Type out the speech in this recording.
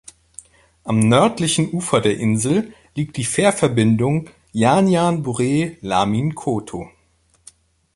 Am nördlichen Ufer der Insel liegt die Fährverbindung Janjanbureh–Lamin Koto.